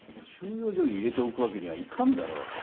収容所に入れておくわけにはいかんだろ。